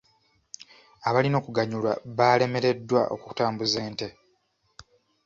Abalina okuganyulwa baalemereddwa okutambuza ente.